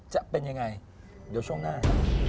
จะเป็นอย่างไรเดี๋ยวช่วงหน้า